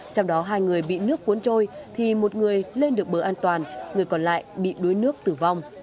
trong đó hai người bị nước cuốn trôi thì một người lên được bờ an toàn người còn lại bị đuối nước tử vong